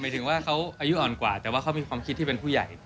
ถึงว่าเขาอายุอ่อนกว่าแต่ว่าเขามีความคิดที่เป็นผู้ใหญ่